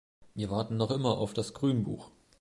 Wir warten noch immer auf das Grünbuch.